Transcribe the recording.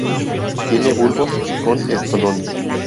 Tiene bulbos con estolones.